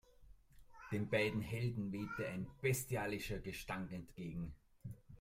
Den beiden Helden wehte ein bestialischer Gestank entgegen.